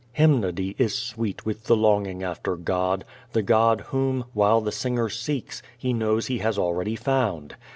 Hymnody is sweet with the longing after God, the God whom, while the singer seeks, he knows he has already found.